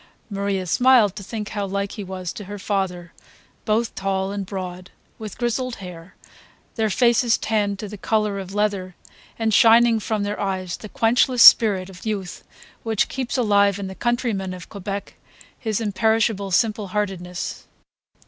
Maria smiled to think how like he was to her father; both tall and broad, with grizzled hair, their faces tanned to the colour of leather, and, shining from their eyes, the quenchless spirit of youth which keeps alive in the countryman of Quebec his imperishable simple heartedness.